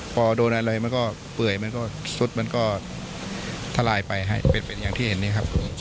พอโดนอะไรมันก็เปื่อยมันก็ซุดมันก็ทลายไปให้เป็นอย่างที่เห็นนี้ครับ